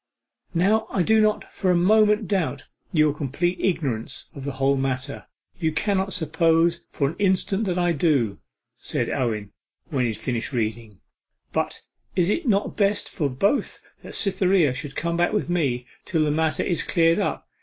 'Now I do not for a moment doubt your complete ignorance of the whole matter; you cannot suppose for an instant that I do,' said Owen when he had finished reading. 'But is it not best for both that Cytherea should come back with me till the matter is cleared up?